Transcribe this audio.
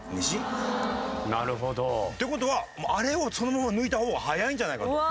なるほど。っていう事はあれをそのまま抜いた方が早いんじゃないかと。